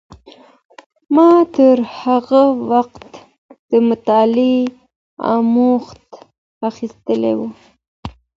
ما تر هغه وخته د مطالعې اموخت اخیستی و.